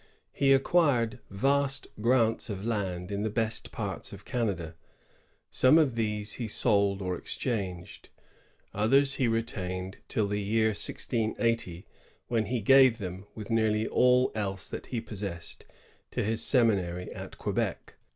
He acquired vast grants of land in the best parts of Canada. Some of these he sold or exchanged ; others he retained till the year 1680, when he gave them, with nearly all else that he then possessed, to his seminary at Quebec.